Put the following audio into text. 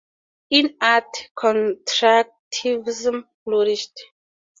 In art, Constructivism flourished.